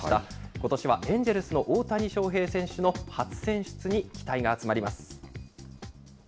ことしはエンジェルスの大谷翔平選手の初選出に期待が集まります。